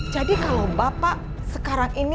jadi kalau bapak sekarang ini